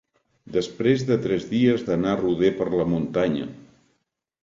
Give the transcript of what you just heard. Després de tres dies d'anar roder per la muntanya.